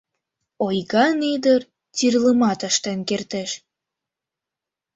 Ойган ӱдыр тӱрлымат ыштен кертеш...